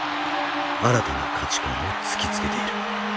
新たな価値観を突きつけている。